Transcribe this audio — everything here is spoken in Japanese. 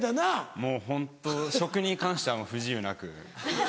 もうホント食に関しては不自由なく。